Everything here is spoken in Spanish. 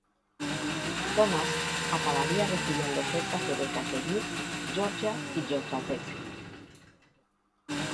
Thomas acabaría recibiendo ofertas de becas de Duke, Georgia y Georgia Tech.